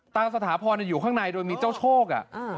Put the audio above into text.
สถาพรอยู่ข้างในโดยมีเจ้าโชค